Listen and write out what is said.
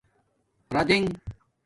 رادنݣ